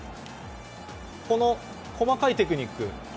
細かいテクニック。